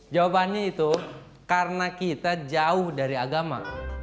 jawabannya itu karena kita jauh dari agama